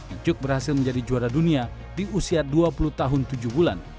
icuk berhasil menjadi juara dunia di usia dua puluh tahun tujuh bulan